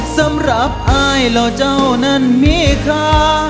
สำหรับอายหล่อเจ้านั้นมีค่า